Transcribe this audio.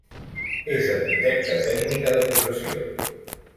És arquitecta tècnica de professió.